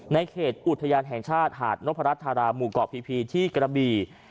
ในเขตอุทยานแห่งชาติหาดนพรัฐธาราหมู่เกาะพีที่กระบี